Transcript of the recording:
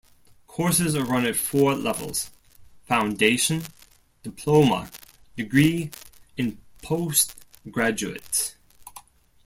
Courses are run at four levels: foundation, diploma, degree and postgraduate.